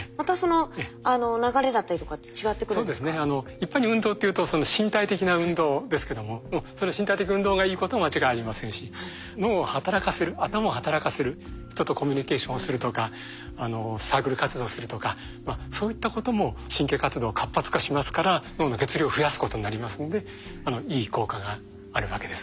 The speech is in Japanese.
一般に運動というとその身体的な運動ですけどもその身体的運動がいいことは間違いありませんし脳を働かせる頭を働かせる人とコミュニケーションをするとかサークル活動するとかそういったことも神経活動活発化しますから脳の血流を増やすことになりますのでいい効果があるわけです。